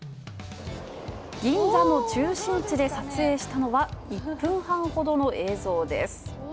銀座の中心地で撮影したのは、１分半ほどの映像。